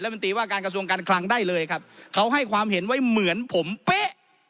มันตีว่าการกระทรวงการคลังได้เลยครับเขาให้ความเห็นไว้เหมือนผมเป๊ะ